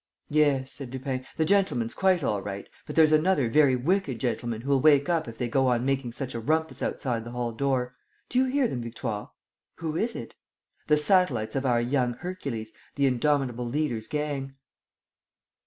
"Yes," said Lupin, "the gentleman's quite all right, but there's another very wicked gentleman who'll wake up if they go on making such a rumpus outside the hall door. Do you hear them, Victoire?" "Who is it?" "The satellites of our young Hercules, the indomitable leader's gang."